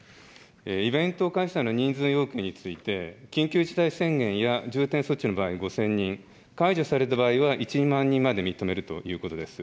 イベント開催の人数要件について、緊急事態宣言や重点措置の場合、５０００人、解除された場合は１万人まで認めるということです。